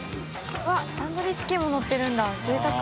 うわっタンドリーチキンものってるんだぜいたく。